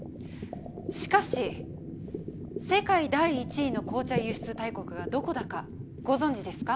しかし世界第１位の紅茶輸出大国がどこだかご存じですか？